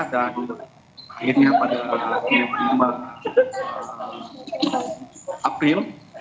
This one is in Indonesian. dan akhirnya pada bulan april